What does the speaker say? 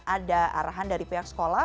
ada arahan dari pihak sekolah